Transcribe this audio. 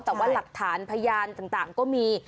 แต่ว่าหลักฐานพยานต่างก็มี